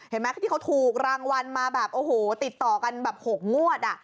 ที่เขาถูกรางวัลมาแบบโอ้โหติดต่อกันแบบ๖งวด